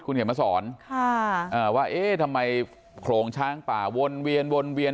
คุณเขียนมาสอนค่ะอ่าว่าเอ๊ะทำไมโขลงช้างป่าวนเวียนวนเวียน